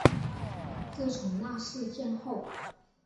自从那事件后